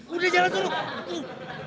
udah jalan turun